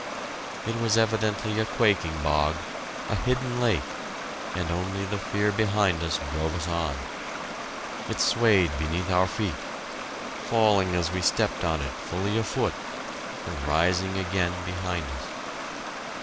It was evidently a quaking bog, a hidden lake, and only the fear behind us drove us on. It swayed beneath our feet, falling as we stepped on it fully a foot, and rising again behind us.